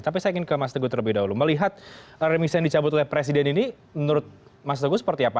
tapi saya ingin ke mas teguh terlebih dahulu melihat remisi yang dicabut oleh presiden ini menurut mas teguh seperti apa